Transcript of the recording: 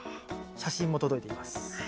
写真も届いています。